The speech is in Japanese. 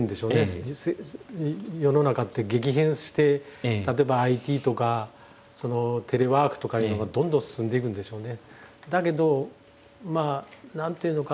世の中って激変して例えばＩＴとかテレワークとかいうのがどんどん進んでいくんでしょうね。